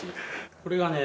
これがね